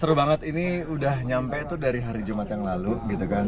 seru banget ini udah nyampe tuh dari hari jumat yang lalu gitu kan